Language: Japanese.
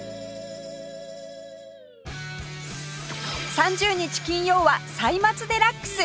３０日金曜は『歳末デラックス』